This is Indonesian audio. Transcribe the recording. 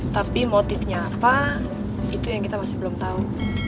tapi motifnya apa itu yang kita masih belum tahu